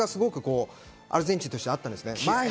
迫力がアルゼンチンとしてあったんですね。